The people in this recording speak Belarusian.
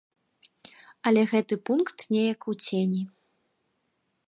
Але гэты пункт неяк у цені.